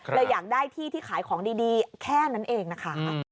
อยากได้ที่ที่ขายของดีแค่นั้นเองนะคะ